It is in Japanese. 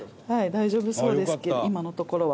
大丈夫そうですけど今のところは。